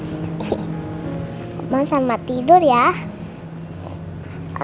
kamu selamat tidur ya